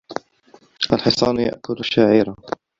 الْحِصَانُ يَأْكُلُ الشَّعِيرَ.